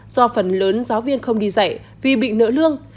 do phần lớn giáo viên không đi dạy vì bị nợ lương